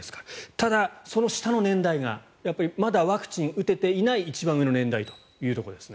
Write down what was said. ただ、その下の年代がまだワクチンを打てていない一番上の年代というところですね。